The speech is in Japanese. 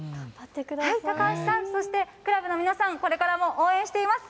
高橋さん、そしてクラブの皆さん、これからも応援しています。